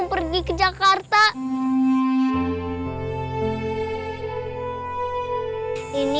tidak zagarb suas lindas